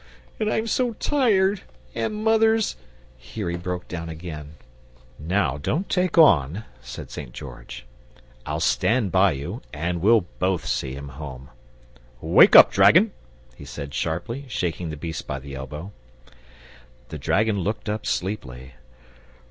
And I'm so tired, and mother's " here he broke down again. "Now don't take on," said St. George. "I'll stand by you, and we'll BOTH see him home. Wake up, dragon!" he said sharply, shaking the beast by the elbow. The dragon looked up sleepily.